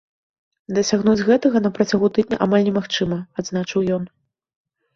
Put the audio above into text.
Дасягнуць гэтага на працягу тыдня амаль немагчыма, адзначыў ён.